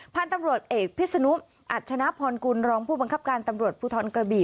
พันธุ์ตำรวจเอกพิษนุอัชนะพรกุลรองผู้บังคับการตำรวจภูทรกระบี่